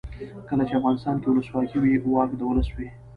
کله چې افغانستان کې ولسواکي وي واک د ولس وي.